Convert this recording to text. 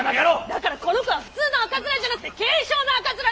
だからこの子は普通の赤面じゃなくって軽症の赤面なんです！